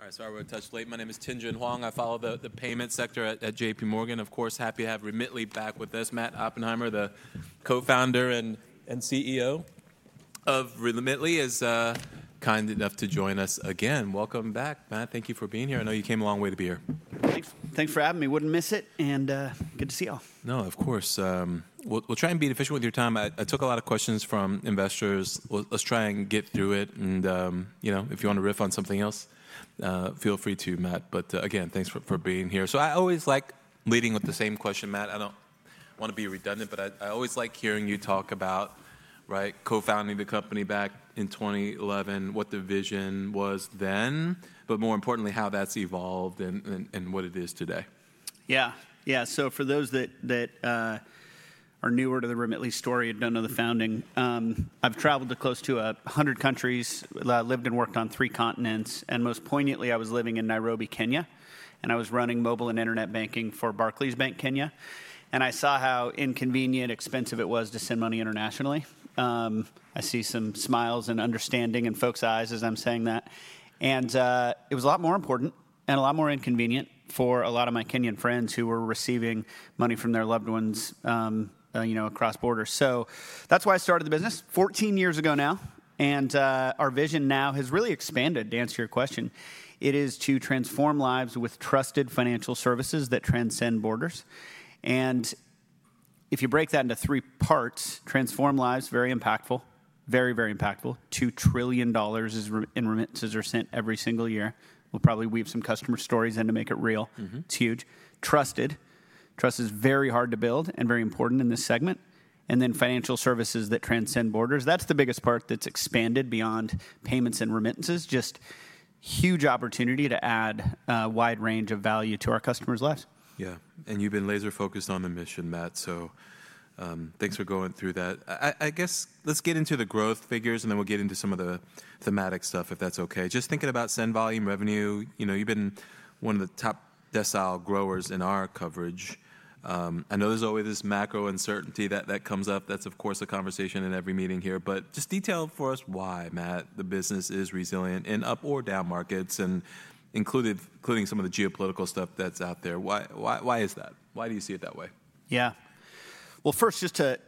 All right, sorry about the touch late. My name is Tin Jun Huang. I follow the payment sector at J.P. Morgan. Of course, happy to have Remitly back with us. Matt Oppenheimer, the co-founder and CEO of Remitly, is kind enough to join us again. Welcome back, Matt. Thank you for being here. I know you came a long way to be here. Thanks for having me. Wouldn't miss it. Good to see y'all. No, of course. We'll try and be efficient with your time. I took a lot of questions from investors. Let's try and get through it. If you want to riff on something else, feel free to, Matt. Again, thanks for being here. I always like leading with the same question, Matt. I don't want to be redundant, but I always like hearing you talk about co-founding the company back in 2011, what the vision was then, but more importantly, how that's evolved and what it is today. Yeah, yeah. For those that are newer to the Remitly story and do not know the founding, I have traveled close to 100 countries, lived and worked on three continents. Most poignantly, I was living in Nairobi, Kenya. I was running mobile and internet banking for Barclays Bank, Kenya. I saw how inconvenient and expensive it was to send money internationally. I see some smiles and understanding in folks' eyes as I am saying that. It was a lot more important and a lot more inconvenient for a lot of my Kenyan friends who were receiving money from their loved ones across borders. That is why I started the business 14 years ago now. Our vision now has really expanded, to answer your question. It is to transform lives with trusted financial services that transcend borders. If you break that into three parts, transform lives, very impactful, very, very impactful. $2 trillion in remittances are sent every single year. We'll probably weave some customer stories in to make it real. It's huge. Trusted. Trust is very hard to build and very important in this segment. Financial services that transcend borders. That's the biggest part that's expanded beyond payments and remittances. Just huge opportunity to add a wide range of value to our customers' lives. Yeah. You have been laser-focused on the mission, Matt. Thanks for going through that. I guess let's get into the growth figures, and then we'll get into some of the thematic stuff, if that's okay. Just thinking about send volume revenue, you have been one of the top decile growers in our coverage. I know there's always this macro uncertainty that comes up. That's, of course, a conversation in every meeting here. Just detail for us why, Matt, the business is resilient in up or down markets, including some of the geopolitical stuff that's out there. Why is that? Why do you see it that way? Yeah. First, just to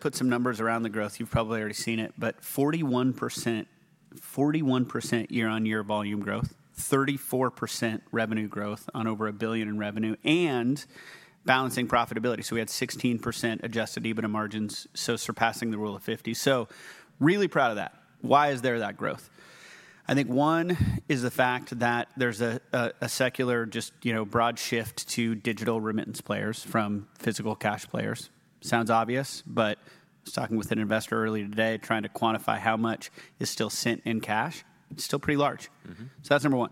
put some numbers around the growth, you've probably already seen it, but 41% year-on-year volume growth, 34% revenue growth on over $1 billion in revenue, and balancing profitability. We had 16% adjusted EBITDA margins, surpassing the rule of 50. Really proud of that. Why is there that growth? I think one is the fact that there's a secular, just broad shift to digital remittance players from physical cash players. Sounds obvious, but I was talking with an investor earlier today trying to quantify how much is still sent in cash. It's still pretty large. That's number one.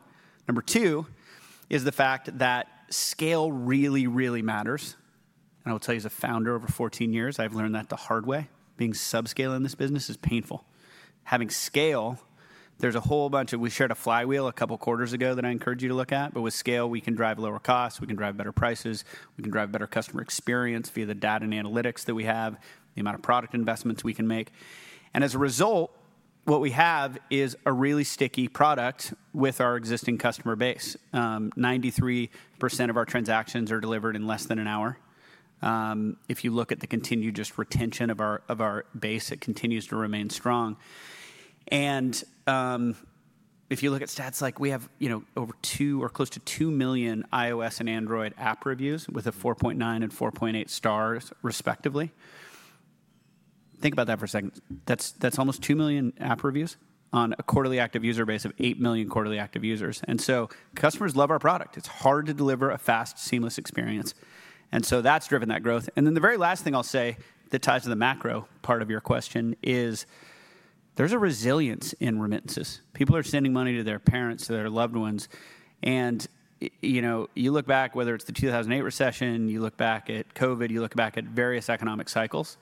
Number two is the fact that scale really, really matters. I will tell you, as a founder over 14 years, I've learned that the hard way. Being subscale in this business is painful. Having scale, there's a whole bunch of we shared a flywheel a couple of quarters ago that I encourage you to look at. With scale, we can drive lower costs. We can drive better prices. We can drive better customer experience via the data and analytics that we have, the amount of product investments we can make. As a result, what we have is a really sticky product with our existing customer base. 93% of our transactions are delivered in less than an hour. If you look at the continued just retention of our base, it continues to remain strong. If you look at stats, like we have over two or close to 2 million iOS and Android app reviews with a 4.9 and 4.8 stars, respectively. Think about that for a second. That's almost 2 million app reviews on a quarterly active user base of 8 million quarterly active users. Customers love our product. It's hard to deliver a fast, seamless experience. That's driven that growth. The very last thing I'll say that ties to the macro part of your question is there's a resilience in remittances. People are sending money to their parents, to their loved ones. You look back, whether it's the 2008 recession, you look back at COVID, you look back at various economic cycles,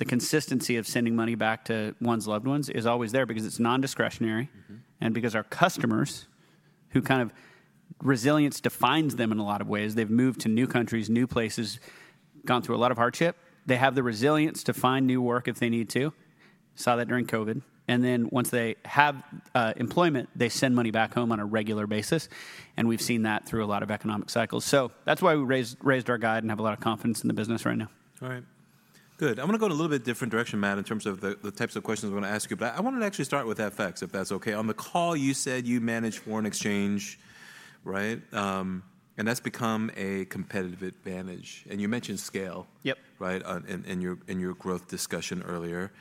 the consistency of sending money back to one's loved ones is always there because it's non-discretionary and because our customers, who kind of resilience defines them in a lot of ways, they've moved to new countries, new places, gone through a lot of hardship. They have the resilience to find new work if they need to. Saw that during COVID. Once they have employment, they send money back home on a regular basis and we've have seen that through a lot of economic cycles. That is why we raised our guide and have a lot of confidence in the business right now. All right. Good. I'm going to go in a little bit different direction, Matt, in terms of the types of questions I'm going to ask you. I wanted to actually start with FX, if that's okay. On the call, you said you manage foreign exchange, right? That's become a competitive advantage. You mentioned scale. Yep. Right, in your growth discussion earlier.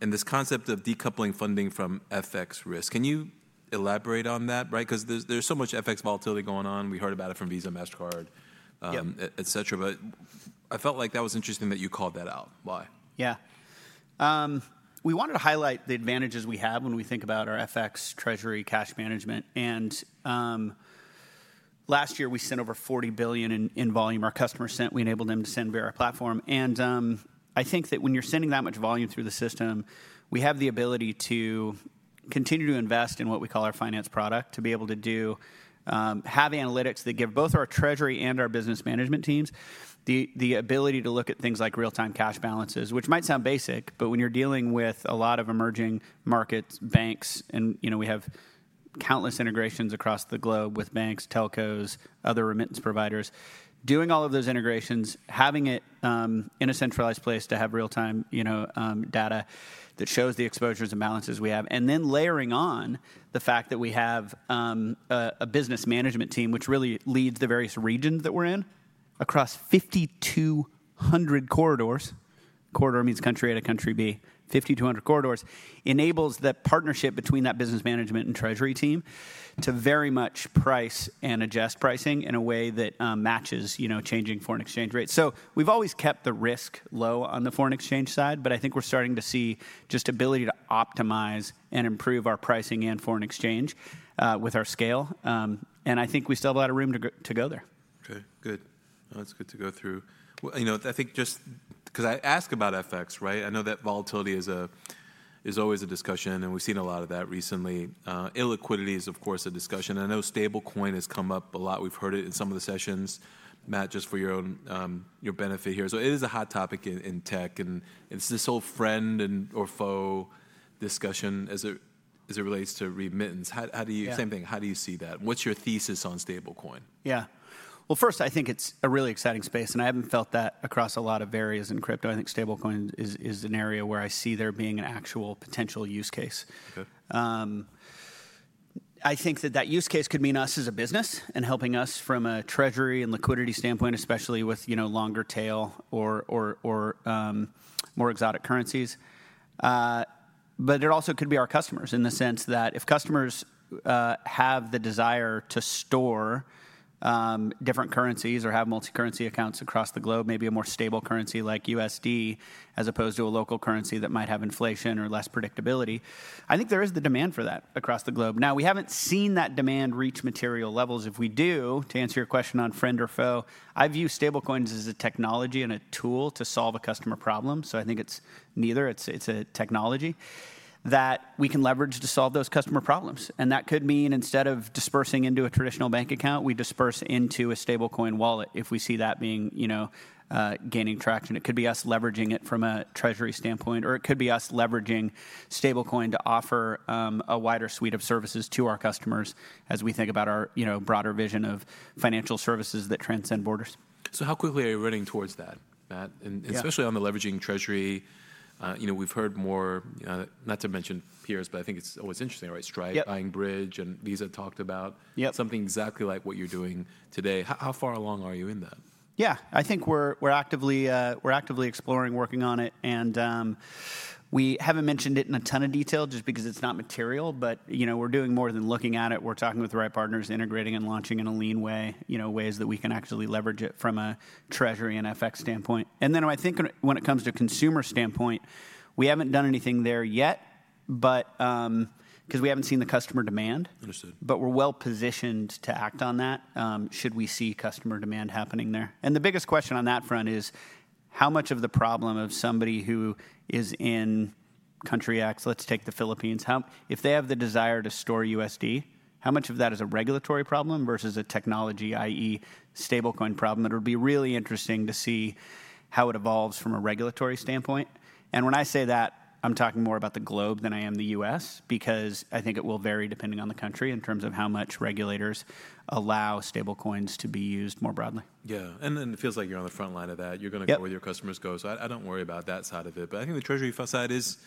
This concept of decoupling funding from FX risk, can you elaborate on that? There is so much FX volatility going on. We heard about it from Visa, Mastercard, etc. I felt like that was interesting that you called that out. Why? Yeah. We wanted to highlight the advantages we have when we think about our FX, treasury, cash management. Last year, we sent over $40 billion in volume our customers sent. We enabled them to send via our platform. I think that when you're sending that much volume through the system, we have the ability to continue to invest in what we call our finance product to be able to have analytics that give both our treasury and our business management teams the ability to look at things like real-time cash balances, which might sound basic, but when you're dealing with a lot of emerging markets, banks, and we have countless integrations across the globe with banks, telcos, other remittance providers, doing all of those integrations, having it in a centralized place to have real-time data that shows the exposures and balances we have, and then layering on the fact that we have a business management team, which really leads the various regions that we're in across 5,200 corridors. Corridor means country A to country B. 5,200 corridors enables that partnership between that business management and treasury team to very much price and adjust pricing in a way that matches changing foreign exchange rates. We have always kept the risk low on the foreign exchange side, but I think we are starting to see just ability to optimize and improve our pricing and foreign exchange with our scale. I think we still have a lot of room to go there. Okay. Good. Good. Good. That's good to go through. I think just because I ask about FX, right, I know that volatility is always a discussion, and we've seen a lot of that recently. Illiquidity is, of course, a discussion. I know stablecoin has come up a lot. We've heard it in some of the sessions, Matt, just for your own benefit here. It is a hot topic in tech. It's this whole friend or foe discussion as it relates to remittance. Same thing, how do you see that? What's your thesis on stablecoin? Yeah. First, I think it's a really exciting space. I haven't felt that across a lot of areas in crypto. I think stablecoin is an area where I see there being an actual potential use case. I think that that use case could mean us as a business and helping us from a treasury and liquidity standpoint, especially with longer tail or more exotic currencies. It also could be our customers in the sense that if customers have the desire to store different currencies or have multi-currency accounts across the globe, maybe a more stable currency like USD as opposed to a local currency that might have inflation or less predictability, I think there is the demand for that across the globe. Now, we haven't seen that demand reach material levels. If we do, to answer your question on friend or foe, I view stablecoins as a technology and a tool to solve a customer problem. I think it's neither. It's a technology that we can leverage to solve those customer problems. That could mean instead of dispersing into a traditional bank account, we disperse into a stablecoin wallet if we see that gaining traction. It could be us leveraging it from a treasury standpoint, or it could be us leveraging stablecoin to offer a wider suite of services to our customers as we think about our broader vision of financial services that transcend borders. How quickly are you running towards that, Matt? Especially on the leveraging treasury, we've heard more, not to mention peers, but I think it's always interesting, right? Stripe buying Bridge, and Visa talked about something exactly like what you're doing today. How far along are you in that? Yeah. I think we're actively exploring, working on it. We haven't mentioned it in a ton of detail just because it's not material, but we're doing more than looking at it. We're talking with the right partners, integrating and launching in a lean way, ways that we can actually leverage it from a treasury and FX standpoint. I think when it comes to consumer standpoint, we haven't done anything there yet because we haven't seen the customer demand. Understood. We are well positioned to act on that should we see customer demand happening there. The biggest question on that front is how much of the problem if somebody who is in country X, let's take the Philippines, if they have the desire to store USD, how much of that is a regulatory problem versus a technology, i.e., stablecoin problem? It would be really interesting to see how it evolves from a regulatory standpoint. When I say that, I am talking more about the globe than I am the U.S. because I think it will vary depending on the country in terms of how much regulators allow stablecoins to be used more broadly. Yeah. It feels like you're on the front line of that. You're going to go where your customers go. I don't worry about that side of it. I think the treasury side is,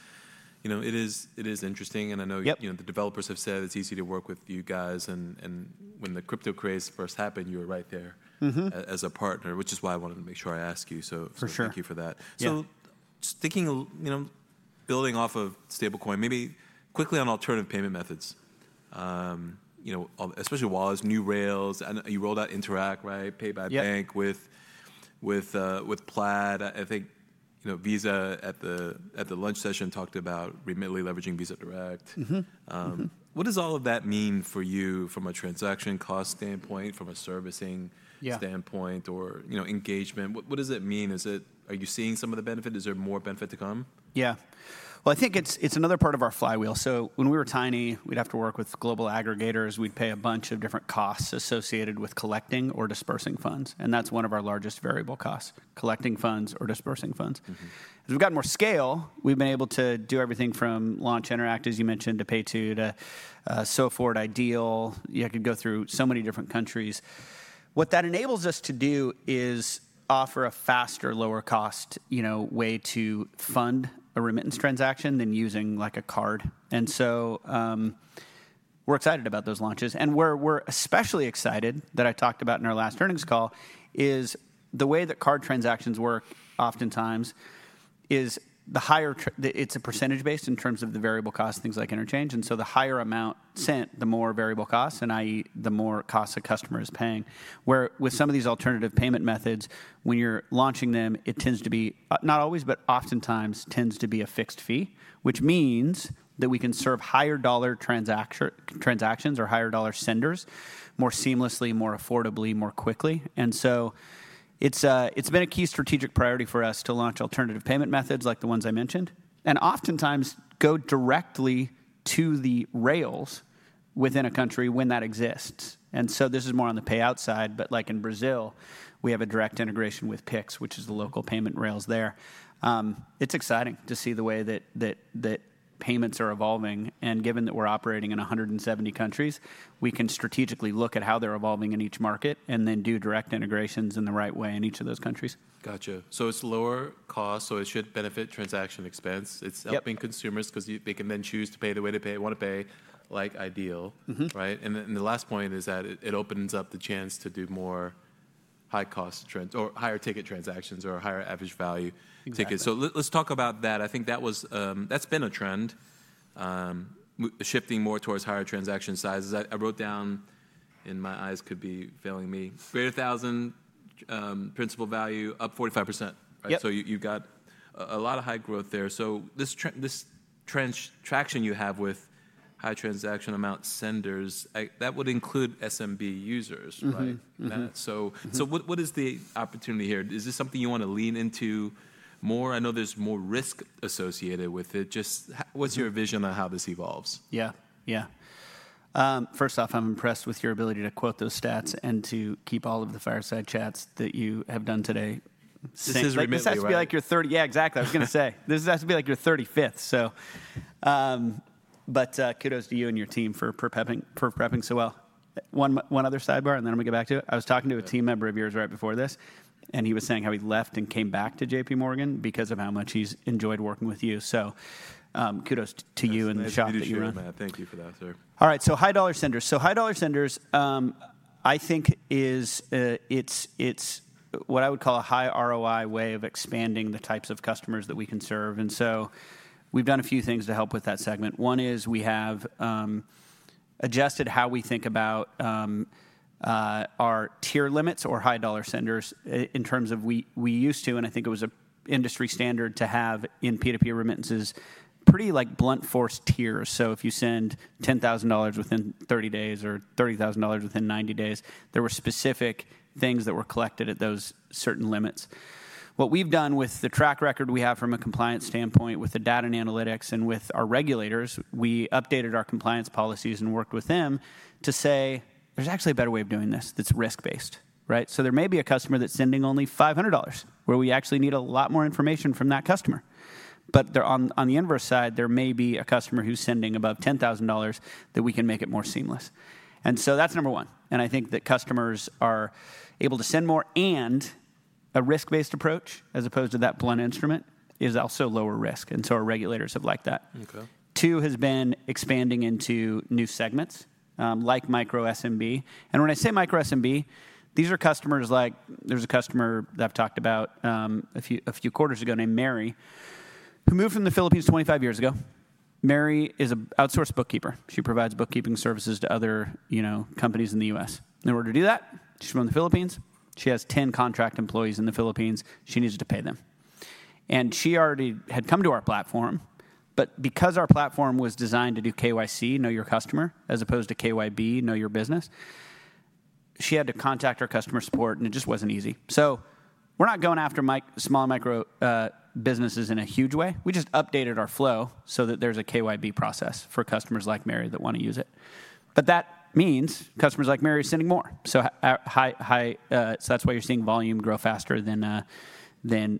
it is nteresting. I know the developers have said it's easy to work with you guys. When the crypto craze first happened, you were right there as a partner, which is why I wanted to make sure I asked you. Thank you for that. Building off of stablecoin, maybe quickly on alternative payment methods, especially wallet, new rails. You rolled out Interact, right, pay by bank with Plaid. I think Visa at the lunch session talked about Remitly leveraging Visa Direct. What does all of that mean for you from a transaction cost standpoint, from a servicing standpoint, or engagement? What does it mean? Are you seeing some of the benefit? Is there more benefit to come? Yeah. I think it's another part of our flywheel. When we were tiny, we'd have to work with global aggregators. We'd pay a bunch of different costs associated with collecting or dispersing funds. That's one of our largest variable costs, collecting funds or dispersing funds. As we've gotten more scale, we've been able to do everything from launch Interact, as you mentioned, to PayTo, to Sofort, Ideal. You could go through so many different countries. What that enables us to do is offer a faster, lower-cost way to fund a remittance transaction than using a card. We're excited about those launches. We're especially excited that I talked about in our last earnings call is the way that card transactions work oftentimes is the higher it's a percentage-based in terms of the variable costs, things like interchange. The higher amount sent, the more variable costs, and i.e., the more costs a customer is paying. Where with some of these alternative payment methods, when you're launching them, it tends to be not always, but oftentimes tends to be a fixed fee, which means that we can serve higher dollar transactions or higher dollar senders more seamlessly, more affordably, more quickly. It has been a key strategic priority for us to launch alternative payment methods like the ones I mentioned and oftentimes go directly to the rails within a country when that exists. This is more on the payout side. Like in Brazil, we have a direct integration with PIX, which is the local payment rails there. It's exciting to see the way that payments are evolving. Given that we're operating in 170 countries, we can strategically look at how they're evolving in each market and then do direct integrations in the right way in each of those countries. Gotcha. So it's lower cost, so it should benefit transaction expense. It's helping consumers because they can then choose to pay the way they want to pay, like Ideal, right? The last point is that it opens up the chance to do more high-cost or higher ticket transactions or higher average value tickets. Let's talk about that. I think that's been a trend, shifting more towards higher transaction sizes. I wrote down, and my eyes could be failing me, greater than $1,000 principal value, up 45%. So you've got a lot of high growth there. This traction you have with high transaction amount senders, that would include SMB users, right, Matt? What is the opportunity here? Is this something you want to lean into more? I know there's more risk associated with it. Just what's your vision on how this evolves? Yeah. Yeah. First off, I'm impressed with your ability to quote those stats and to keep all of the fireside chats that you have done today. This is remittance, right? This has to be like your third. Yeah, exactly. I was going to say this has to be like your 35th. But kudos to you and your team for prepping so well. One other sidebar, and then I'm going to get back to it. I was talking to a team member of yours right before this, and he was saying how he left and came back to J.P. Morgan because of how much he's enjoyed working with you. So kudos to you and the shop that you run. Thank you for that, sir. All right. High dollar senders. High dollar senders, I think it is what I would call a high ROI way of expanding the types of customers that we can serve. We have done a few things to help with that segment. One is we have adjusted how we think about our tier limits for high dollar senders in terms of we used to, and I think it was an industry standard to have in P2P remittances, pretty blunt force tiers. If you send $10,000 within 30 days or $30,000 within 90 days, there were specific things that were collected at those certain limits. What we have done with the track record we have from a compliance standpoint, with the data and analytics, and with our regulators, we updated our compliance policies and worked with them to say there is actually a better way of doing this that is risk-based, right? There may be a customer that's sending only $500, where we actually need a lot more information from that customer. On the inverse side, there may be a customer who's sending above $10,000 that we can make it more seamless. That's number one. I think that customers are able to send more. A risk-based approach as opposed to that blunt instrument is also lower risk. Our regulators have liked that. Two has been expanding into new segments like micro SMB. When I say micro SMB, these are customers like there's a customer that I've talked about a few quarters ago named Mary, who moved from the Philippines 25 years ago. Mary is an outsourced bookkeeper. She provides bookkeeping services to other companies in the US. In order to do that, she's from the Philippines. She has 10 contract employees in the Philippines. She needs to pay them. She already had come to our platform. Because our platform was designed to do KYC, know your customer, as opposed to KYB, know your business, she had to contact our customer support, and it just was not easy. We are not going after small and micro businesses in a huge way. We just updated our flow so that there is a KYB process for customers like Mary that want to use it. That means customers like Mary are send more. That is why you are seeing volume grow faster than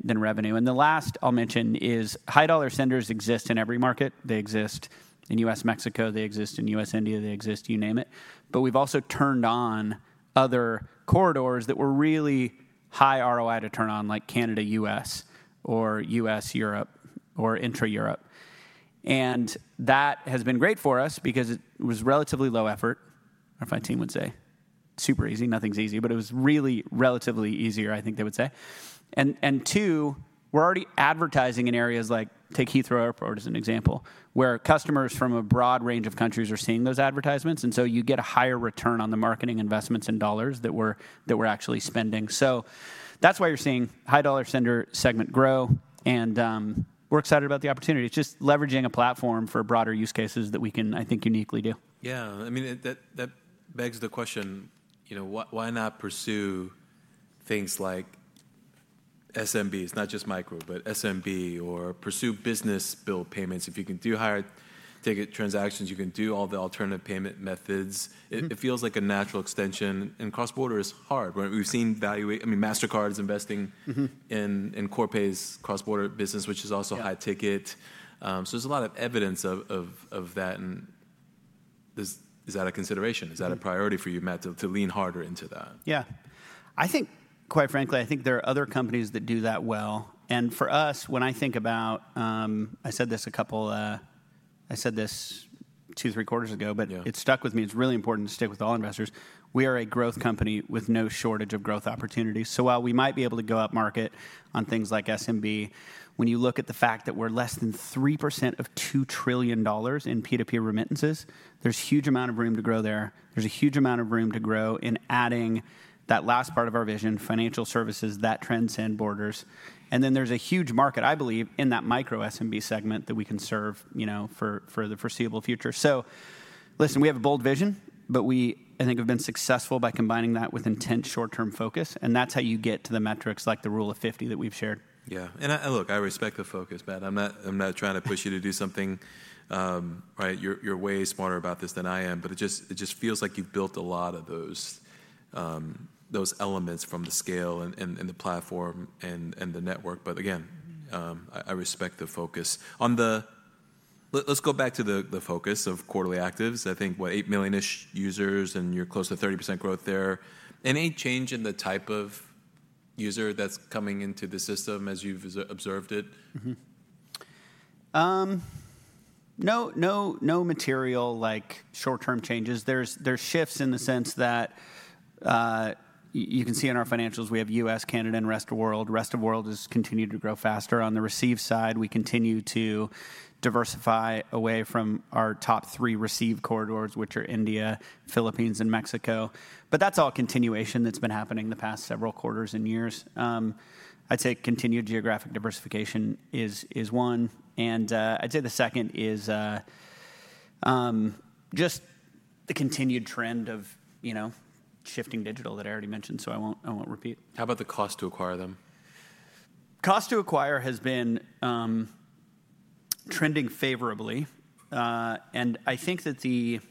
revenue. The last I will mention is high dollar senders exist in every market. They exist in U.S., Mexico. They exist in US, India. They exist, you name it. We have also turned on other corridors that were really high ROI to turn on, like Canada, U.S., or U.S., Europe, or intra-Europe. That has been great for us because it was relatively low effort, or my team would say, super easy. Nothing's easy. It was really relatively easier, I think they would say. We are already advertising in areas like take Heathrow Airport as an example, where customers from a broad range of countries are seeing those advertisements. You get a higher return on the marketing investments in dollars that we're actually spending. That is why you're seeing high dollar sender segment grow. We are excited about the opportunity. It's just leveraging a platform for broader use cases that we can, I think, uniquely do. Yeah. I mean, that begs the question, why not pursue things like SMBs, not just micro, but SMB, or pursue business bill payments? If you can do higher ticket transactions, you can do all the alternative payment methods. It feels like a natural extension. Cross-border is hard. We have seen Mastercard's investing in Corpay's cross-border business, which is also high ticket. There is a lot of evidence of that. Is that a consideration? Is that a priority for you, Matt, to lean harder into that? Yeah. I think, quite frankly, I think there are other companies that do that well. For us, when I think about, I said this a couple, I said this two or three quarters ago, but it stuck with me. It's really important to stick with all investors. We are a growth company with no shortage of growth opportunities. While we might be able to go up market on things like SMB, when you look at the fact that we're less than 3% of $2 trillion in P2P remittances, there's a huge amount of room to grow there. There's a huge amount of room to grow in adding that last part of our vision, financial services, that transcend borders. There's a huge market, I believe, in that micro SMB segment that we can serve for the foreseeable future. Listen, we have a bold vision, but we, I think, have been successful by combining that with intense short-term focus. That is how you get to the metrics like the rule of 50 that we have shared. Yeah. Look, I respect the focus, Matt. I'm not trying to push you to do something, right? You're way smarter about this than I am. It just feels like you've built a lot of those elements from the scale and the platform and the network. Again, I respect the focus. Let's go back to the focus of quarterly actives. I think, what, 8 million-ish users, and you're close to 30% growth there. Any change in the type of user that's coming into the system as you've observed it? No material short-term changes. There are shifts in the sense that you can see in our financials. We have U.S., Canada, and rest of the world has continued to grow faster on the receive side. We continue to diversify away from our top three receive corridors, which are India, Philippines, and Mexico. That is all continuation that has been happening the past several quarters and years. I would say continued geographic diversification is one. I would say the second is just the continued trend of shifting digital that I already mentioned, so I will not repeat. How about the cost to acquire them? Cost to acquire has been trending favorably. I think that you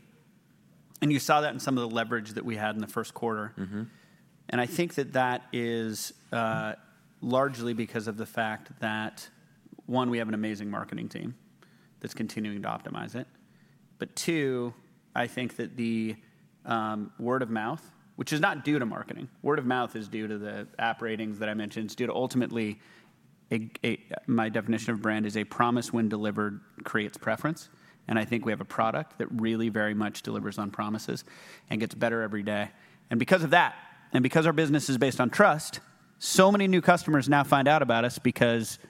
saw that in some of the leverage that we had in the first quarter. I think that is largely because of the fact that, one, we have an amazing marketing team that's continuing to optimize it. Two, I think that the word of mouth, which is not due to marketing. Word of mouth is due to the app ratings that I mentioned. It's due to ultimately, my definition of brand is a promise when delivered creates preference. I think we have a product that really very much delivers on promises and gets better every day. Because of that, and because our business is based on trust, so many new customers now find out about us because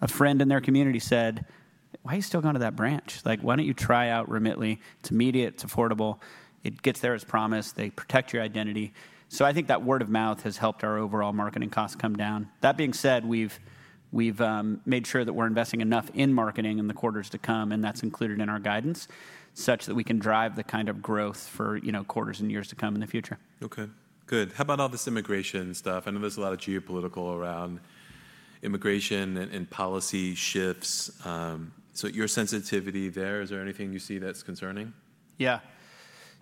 a friend in their community said, "why are you still going to that branch? Why don't you try out Remitly? It's immediate. It's affordable. It gets there as promised. They protect your identity." I think that word of mouth has helped our overall marketing costs come down. With that being said, we've made sure that we're investing enough in marketing in the quarters to come. That is included in our guidance such that we can drive the kind of growth for quarters and years to come in the future. Okay. Good. How about all this immigration stuff? I know there's a lot of geopolitical around immigration and policy shifts. Your sensitivity there, is there anything you see that's concerning? Yeah.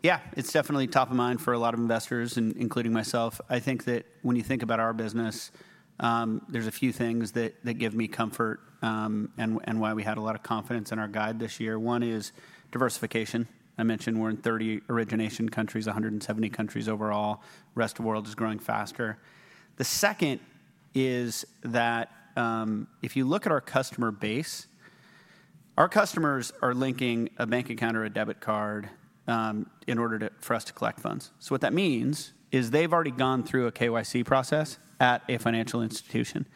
Yeah. It's definitely top of mind for a lot of investors, including myself. I think that when you think about our business, there's a few things that give me comfort and why we had a lot of confidence in our guide this year. One is diversification. I mentioned we're in 30 origination countries, 170 countries overall, the rest of the world is growing faster. The second is that if you look at our customer base, our customers are linking a bank account or a debit card in order for us to collect funds. What that means is they've already gone through a KYC process at a financial institution.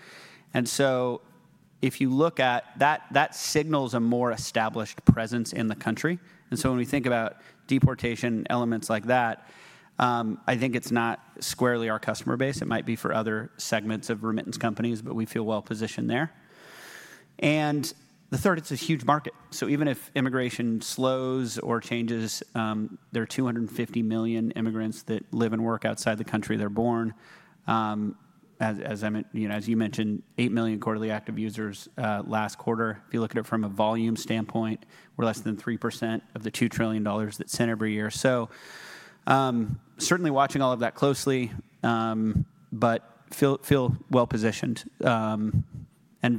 If you look at that, that signals a more established presence in the country. When we think about deportation and elements like that, I think it's not squarely our customer base. It might be for other segments of remittance companies, but we feel well positioned there. The third, it's a huge market. Even if immigration slows or changes, there are 250 million immigrants that live and work outside the country they're born. As you mentioned, 8 million quarterly active users last quarter. If you look at it from a volume standpoint, we're less than 3% of the $2 trillion that's sent every year. Certainly watching all of that closely, but feel well positioned and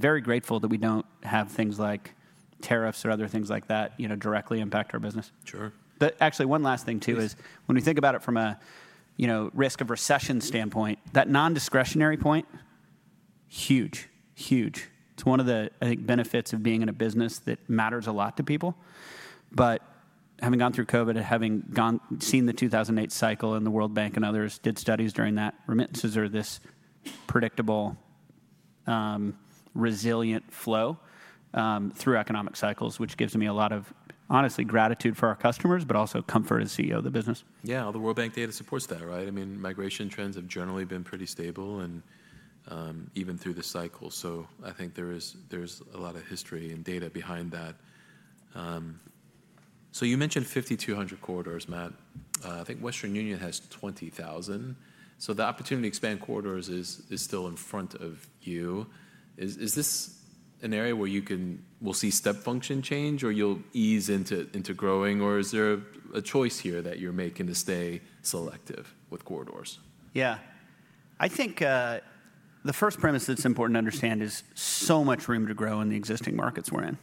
very grateful that we don't have things like tariffs or other things like that directly impact our business. Sure. Actually, one last thing, too, is when we think about it from a risk of recession standpoint, that non-discretionary point, huge, huge. It's one of the, I think, benefits of being in a business that matters a lot to people. Having gone through COVID and having seen the 2008 cycle and the World Bank and others did studies during that, remittances are this predictable, resilient flow through economic cycles, which gives me a lot of, honestly, gratitude for our customers, but also comfort as CEO of the business. Yeah. The World Bank data supports that, right? I mean, migration trends have generally been pretty stable and even through the cycle. I think there's a lot of history and data behind that. You mentioned 5,200 corridors, Matt. I think Western Union has 20,000. The opportunity to expand corridors is still in front of you. Is this an area where we'll can see step function change, or you'll ease into growing, or is there a choice here that you're making to stay selective with corridors? Yeah. I think the first premise that's important to understand is so much room to grow in the existing markets we're in,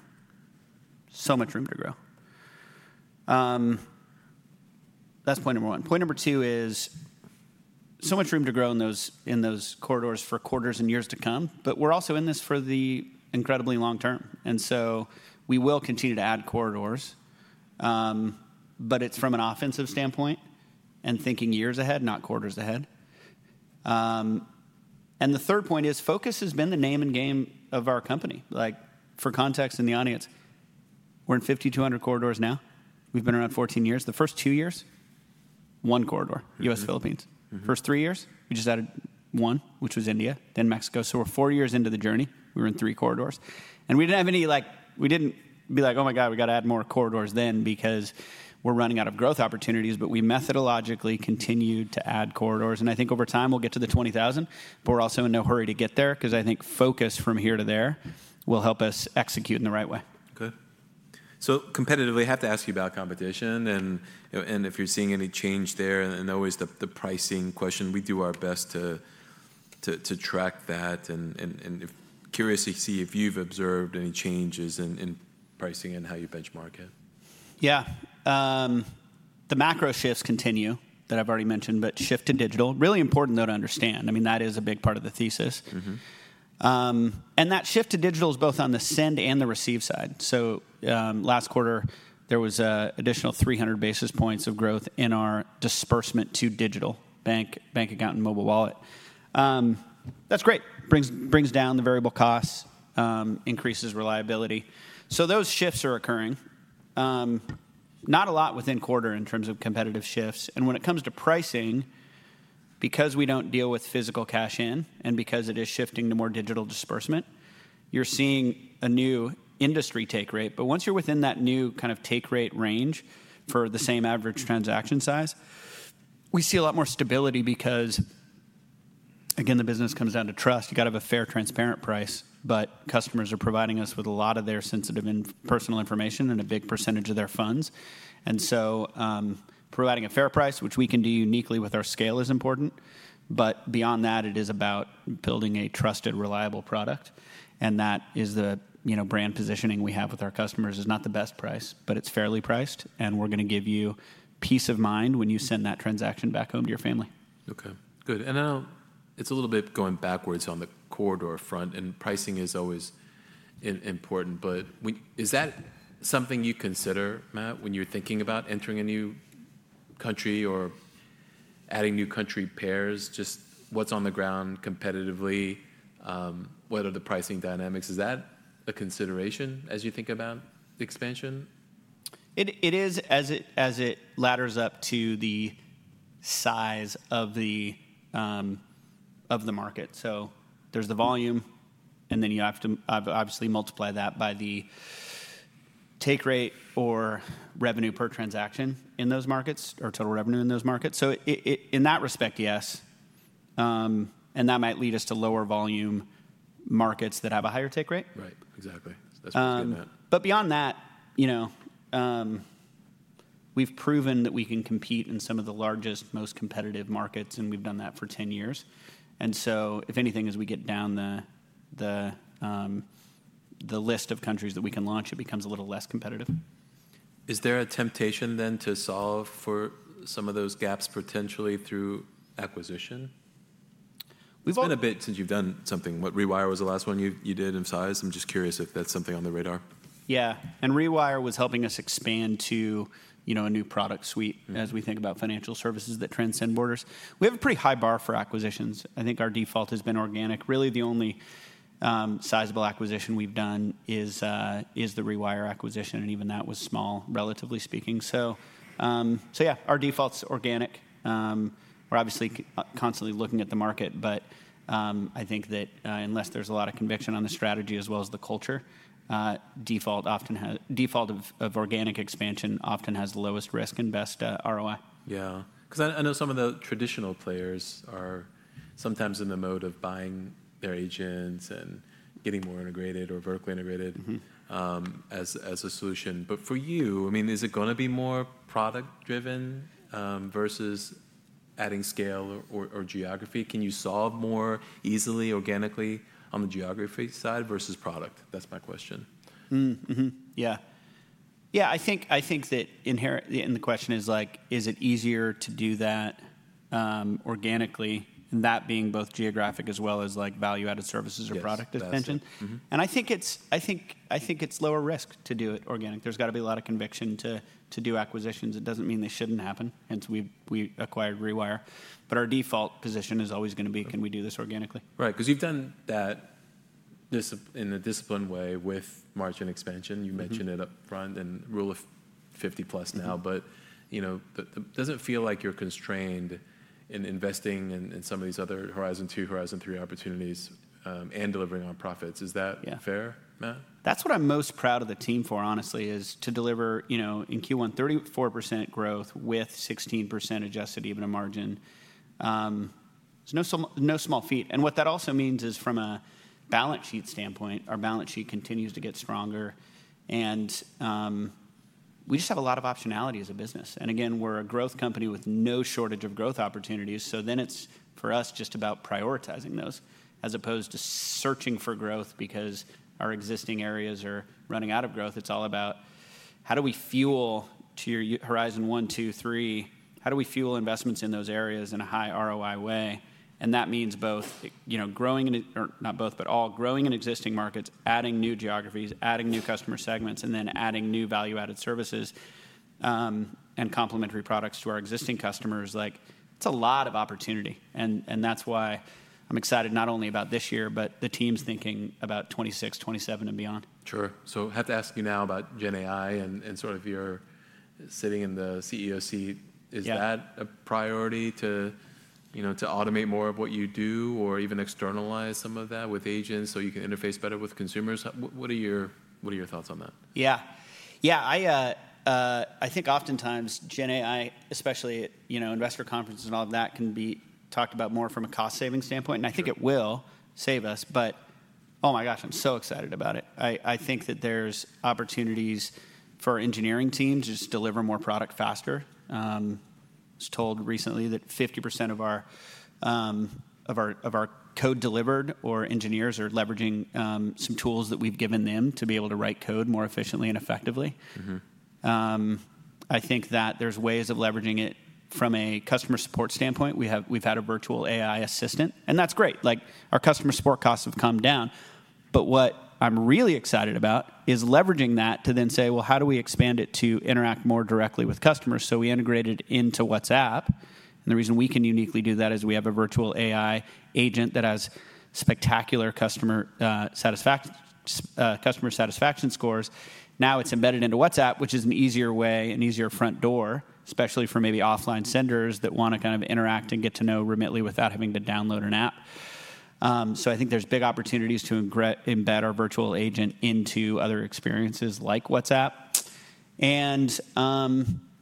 so much room to grow. That's point number one. Point number two is so much room to grow in those corridors for quarters and years to come. We are also in this for the incredibly long term. We will continue to add corridors, but it's from an offensive standpoint and thinking years ahead, not quarters ahead. The third point is focus has been the name and game of our company. For context in the audience, we're in 5,200 corridors now. We've been around 14 years. The first two years, one corridor, U.S., Philippines. First three years, we just added one, which was India, then Mexico. We were four years into the journey, we're in three corridors. We did not have any, we didn't be like, "oh my god, we got to add more corridors then because we're running out of growth opportunities." We methodologically continued to add corridors. I think over time, we'll get to the 20,000. We are also in no hurry to get there because I think focus from here to there will help us execute in the right way. Good. Competitive, I have to ask you about competition and if you're seeing any change there. Always the pricing question, we do our best to track that. Curious to see if you've observed any changes in pricing and how you benchmark it. Yeah. The macro shifts continue that I've already mentioned, but shift to digital, really important, though, to understand. I mean, that is a big part of the thesis. And that shift to digital is both on the send and the receive side. Last quarter, there was an additional 300 basis points of growth in our disbursement to digital, bank account and mobile wallet. That's great. It brings down the variable costs, increases reliability. Those shifts are occurring. Not a lot within quarter in terms of competitive shifts. When it comes to pricing, because we don't deal with physical cash in and because it is shifting to more digital disbursement, you're seeing a new industry take rate. Once you're within that new kind of take rate range for the same average transaction size, we see a lot more stability because, again, the business comes down to trust. You've got to have a fair, transparent price. Customers are providing us with a lot of their sensitive and personal information and a big percentage of their funds. Providing a fair price, which we can do uniquely with our scale is important. Beyond that, it is about building a trusted, reliable product. That is the brand positioning we have with our customers. It's not the best price, but it's fairly priced. We're going to give you peace of mind when you send that transaction back home to your family. Okay. Good. Now it's a little bit going backwards on the corridor front. Pricing is always important. Is that something you consider, Matt, when you're thinking about entering a new country or adding new country pairs? Just what's on the ground competitively? What are the pricing dynamics? Is that a consideration as you think about expansion? It is as it ladders up to the size of the market. There's a volume and then you have to obviously multiply that by the take rate or revenue per transaction in those markets or total revenue in those markets. In that respect, yes, and that might lead us to lower volume markets that have a higher take rate. Right. Exactly. That's what I was getting at. Beyond that, we've proven that we can compete in some of the largest, most competitive markets. We've done that for 10 years. If anything, as we get down the list of countries that we can launch, it becomes a little less competitive. Is there a temptation then to solve for some of those gaps potentially through acquisition? We've been a bit since you've done something, what, Rewire was the last one you did in size? I'm just curious if that's something on the radar. Yeah. And Rewire was helping us expand to a new product suite as we think about financial services that transcend borders. We have a pretty high bar for acquisitions. I think our default has been organic. Really, the only sizable acquisition we've done is the Rewire acquisition. And even that was small, relatively speaking. Yeah, our default's organic. We're obviously constantly looking at the market. I think that unless there's a lot of conviction on the strategy as well as the culture, default of organic expansion often has the lowest risk and best ROI. Yeah. Because I know some of the traditional players are sometimes in the mode of buying their agents and getting more integrated or vertically integrated as a solution. For you, I mean, is it going to be more product-driven versus adding scale or geography? Can you solve more easily, organically on the geography side versus product? That is my question. Yeah. Yeah. I think that inherently in the question is, is it easier to do that organically and that being both geographic as well as value-added services or product expansion? I think it's lower risk to do it organic. There's got to be a lot of conviction to do acquisitions. It doesn't mean they shouldn't happen, hence we acquired Rewire. Our default position is always going to be, can we do this organically. Right. Because you've done that in a disciplined way with margin expansion. You mentioned it up front and rule of 50 plus now. It doesn't feel like you're constrained in investing in some of these other Horizon 2, Horizon 3 opportunities and delivering on profits. Is that fair, Matt? That's what I'm most proud of the team for, honestly, is to deliver in Q1, 34% growth with 16% adjusted EBITDA margin. It's no small feat. What that also means is from a balance sheet standpoint, our balance sheet continues to get stronger. We just have a lot of optionality as a business. Again, we're a growth company with no shortage of growth opportunities. It is for us just about prioritizing those as opposed to searching for growth because our existing areas are running out of growth. It's all about how do we fuel to your Horizon 1, 2, 3? How do we fuel investments in those areas in a high ROI way? That means both growing, or not both, but all growing in existing markets, adding new geographies, adding new customer segments, and then adding new value-added services and complementary products to our existing customers. It's a lot of opportunity. That is why I am excited not only about this year, but the team's thinking about 2026, 2027, and beyond. Sure. So I have to ask you now about GenAI and sort of your sitting in the CEO seat. Is that a priority to automate more of what you do or even externalize some of that with agents or are you can interface better with consumers? What are your thoughts on that? Yeah. Yeah. I think oftentimes GenAI, especially investor conferences and all of that, can be talked about more from a cost-saving standpoint. I think it will save us. Oh my gosh, I'm so excited about it. I think that there's opportunities for engineering teams just to deliver more product faster. I was told recently that 50% of our code delivered or engineers are leveraging some tools that we've given them to be able to write code more efficiently and effectively. I think that there's ways of leveraging it from a customer support standpoint. We've had a virtual AI assistant and that's great. Our customer support costs have come down. What I'm really excited about is leveraging that to then say, how do we expand it to interact more directly with customers? We integrated into WhatsApp. The reason we can uniquely do that is we have a virtual AI agent that has spectacular customer satisfaction scores. Now it is embedded into WhatsApp, which is an easier way, an easier front door, especially for maybe offline senders that want to kind of interact and get to know Remitly without having to download an app. I think there are big opportunities to embed our virtual agent into other experiences like WhatsApp and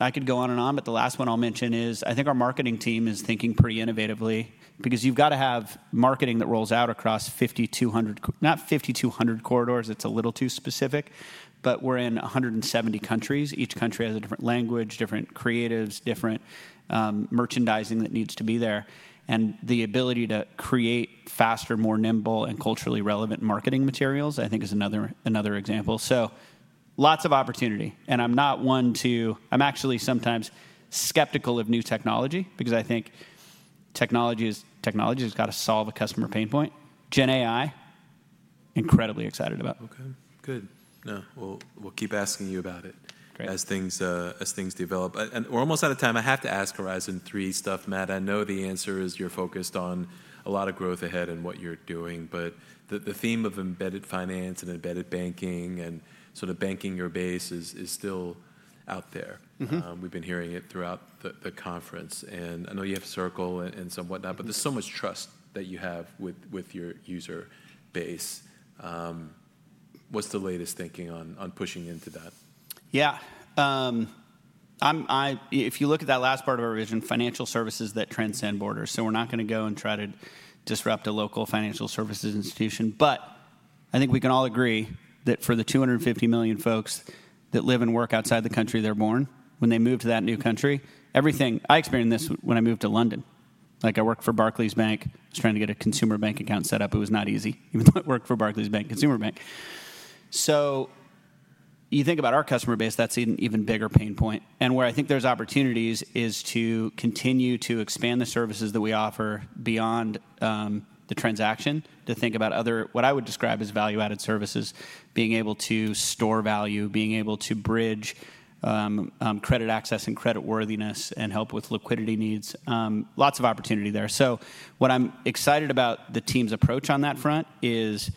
I could go on and on. The last one I will mention is I think our marketing team is thinking pretty innovatively because you have to have marketing that rolls out across 5,200, not 5,200 corridors. It is a little too specific. We are in 170 countries. Each country has a different language, different creatives, different merchandising that needs to be there. The ability to create faster, more nimble, and culturally relevant marketing materials, I think, is another example so lots of opportunity. I'm not one to, I'm actually sometimes skeptical of new technology because I think technology has got to solve a customer pain point. GenAI, incredibly excited about. Okay. Good. We'll keep asking you about it as things develop. We're almost out of time. I have to ask Horizon 3 stuff, Matt. I know the answer is you're focused on a lot of growth ahead and what you're doing. The theme of embedded finance and embedded banking and sort of banking your base is still out there. We've been hearing it throughout the conference. I know you have Circle and some, whatnot. There's so much trust that you have with your user base. What's the latest thinking on pushing into that? Yeah. If you look at that last part of our vision, financial services that transcend borders. We're not going to go and try to disrupt a local financial services institution. I think we can all agree that for the 250 million folks that live and work outside the country they're born, when they move to that new country, everything, I experienced this when I moved to London. I worked for Barclays Bank. I was trying to get a consumer bank account set up. It was not easy, even though I worked for Barclays Bank, consumer bank. You think about our customer base, that's an even bigger pain point. Where I think there's opportunities is to continue to expand the services that we offer beyond the transaction to think about other what I would describe as value-added services, being able to store value, being able to bridge credit access and credit worthiness, and help with liquidity needs, lots of opportunity there. What I'm excited about the team's approach on that front is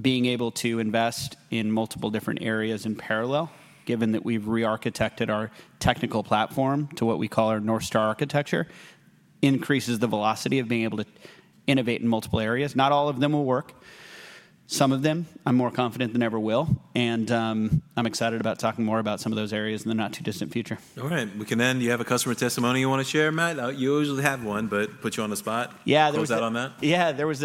being able to invest in multiple different areas in parallel, given that we've re-architected our technical platform to what we call our North Star architecture, increases the velocity of being able to innovate in multiple areas. Not all of them will work, some of them, I'm more confident than ever will. I'm excited about talking more about some of those areas in the not too distant future. All right. We can end. You have a customer testimony you want to share, Matt? You usually have one, but put you on the spot. Yeah. What was that on that? Yeah. There was.